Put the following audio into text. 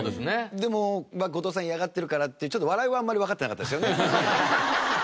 でも「後藤さん嫌がってるから」ってちょっと笑いはあんまりわかってなかったですよね。